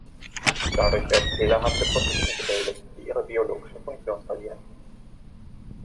Dadurch werden fehlerhafte Proteine gebildet, die ihre biologische Funktion verlieren.